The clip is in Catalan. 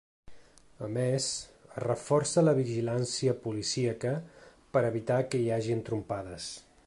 A més, es reforça la vigilància policíaca per a evitar que hi hagi entrompades.